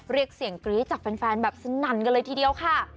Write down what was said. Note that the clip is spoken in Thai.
เรียกเสียงคริสต์จากเป็นแฟนแบบสนันเลยทีเดียวค่ะ